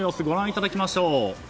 ご覧いただきましょう。